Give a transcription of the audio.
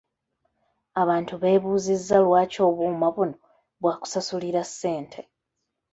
Abantu b’ebuuzizza lwaki obuuma buno bwa kusasulira ssente?